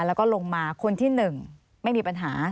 แล้วก็ลงมาคนที่๑ไม่มีปัญหา